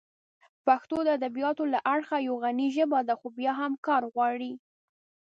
پښتو د ادبیاتو له اړخه یوه غني ژبه ده، خو بیا هم کار غواړي.